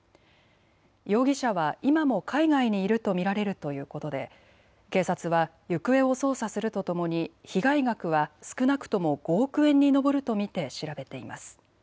容疑者は今も海外にいると見られるということで警察は行方を捜査するとともに被害額は少なくとも５億円に上ると見て調べています。